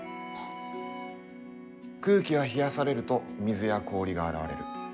空気は冷やされると水や氷が現れる。